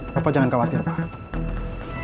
bapak jangan khawatir pak